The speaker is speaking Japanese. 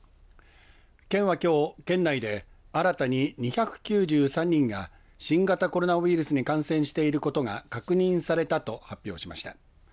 県はきょう、県内で新たに２９３人が新型コロナウイルスに感染していることが確認されたと発表しました。